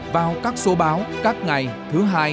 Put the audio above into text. vào các số báo các ngày thứ hai